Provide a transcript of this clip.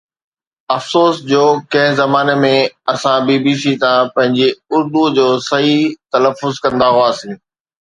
افسوس جو ڪنهن زماني ۾ اسان بي بي سي تان پنهنجي اردو جو صحيح تلفظ ڪندا هئاسين